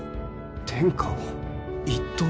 天下を一統？